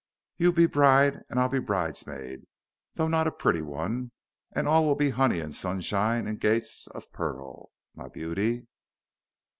You'll be bride and I'll be bridesmaid, though not a pretty one, and all will be 'oney and sunshine and gates of pearl, my beauty."